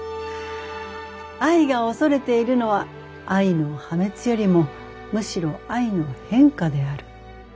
愛が恐れているのは愛の破滅よりもむしろ愛の変化である。